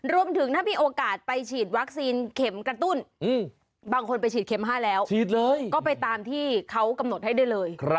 ถ้ามีโอกาสไปฉีดวัคซีนเข็มกระตุ้นบางคนไปฉีดเข็ม๕แล้วก็ไปตามที่เขากำหนดให้ได้เลย